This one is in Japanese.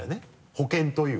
保険というか。